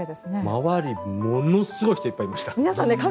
周り、ものすごい人がいっぱいいました。